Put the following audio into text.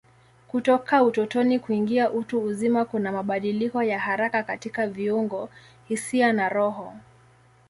Kutoka utotoni kuingia utu uzima kuna mabadiliko ya haraka katika viungo, hisia na roho.